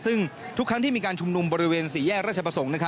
ซึ่งทุกครั้งที่มีการชุมนุมบริเวณสี่แยกราชประสงค์